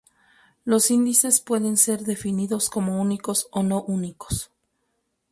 Los índices pueden ser definidos como únicos o no únicos.